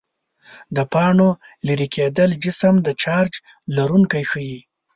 د پاڼو لیري کېدل جسم د چارج لرونکی ښيي.